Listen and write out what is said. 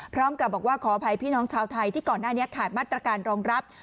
พร้อมกับบอกว่าขออภัยพี่น้องชาวไทยที่ก่อนหน้านี้ขาดมาตรการรองรับ